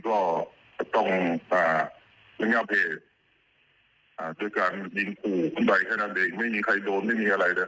ครับมีการยิงปืนจริงแต่ว่าเป็นการยิงขู่จากทางเจ้าหน้าที่